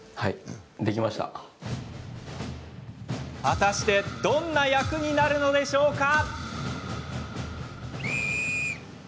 果たしてどんな訳になるのでしょうか？